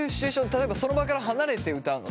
例えばその場から離れて歌うの？